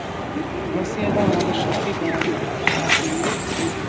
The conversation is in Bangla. গ্রাসিয়েলা, আমাদের সত্যিই তোমার সাহায্য দরকার।